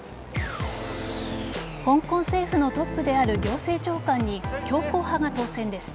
香港政府のトップである行政長官に強硬派が当選です。